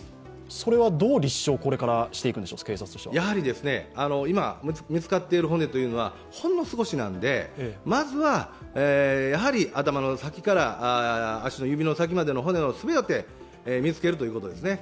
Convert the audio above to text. それはどう立証、これからしていくんでしょう、警察としては今、見つかっている骨というのはほんの少しなのでまずは頭の先から足の指の先までの骨の全て見つけるということですね。